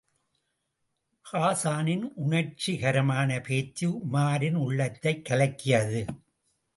ஹாஸானின் உணர்ச்சிகரமான பேச்சு உமாரின் உள்ளத்தைக் கலக்கியது.